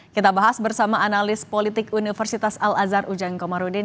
kita bahas bersama analis politik universitas al azhar ujang komarudin